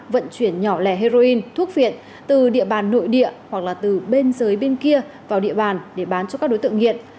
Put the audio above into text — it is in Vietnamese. vận chuyển nhỏ lẻ heroin thuốc viện từ địa bàn nội địa hoặc là từ bên dưới bên kia vào địa bàn để bán cho các đối tượng nghiện